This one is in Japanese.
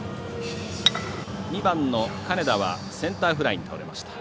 ２番の金田はセンターフライに倒れました。